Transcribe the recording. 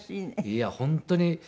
いや本当に。